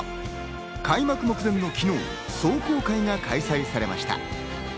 開幕目前の昨日、壮行会が開催されました。